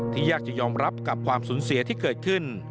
ยากจะยอมรับกับความสูญเสียที่เกิดขึ้น